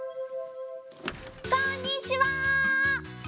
こんにちは！